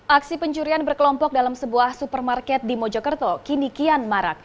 aksi pencurian berkelompok dalam sebuah supermarket di mojokerto kini kian marak